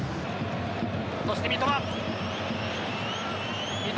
そして三笘。